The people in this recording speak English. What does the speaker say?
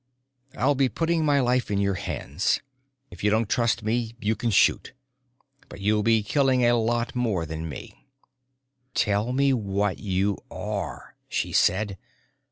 "I'll be putting my life in your hands. If you don't trust me you can shoot. But you'll be killing a lot more than me." "Tell me what you are," she said.